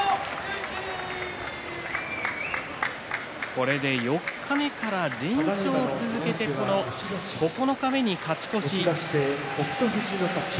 これで四日目から連勝を続けて九日目に勝ち越し。